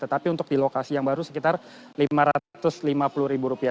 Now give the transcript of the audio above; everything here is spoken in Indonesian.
tetapi untuk di lokasi yang baru sekitar lima ratus lima puluh ribu rupiah